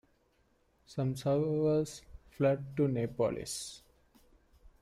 Some survivors fled to Neapolis.